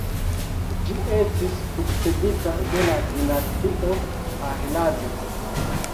Ĝi estis sukcedita de la dinastio Pahlavi.